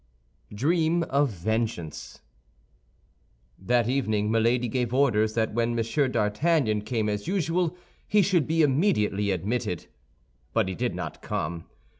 DREAM OF VENGEANCE That evening Milady gave orders that when M. d'Artagnan came as usual, he should be immediately admitted; but he did not come.